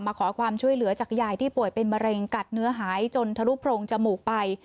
ขอความช่วยเหลือจากยายที่ป่วยเป็นมะเร็งกัดเนื้อหายจนทะลุโพรงจมูกไป